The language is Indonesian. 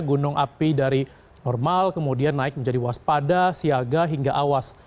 gunung api dari normal kemudian naik menjadi waspada siaga hingga awas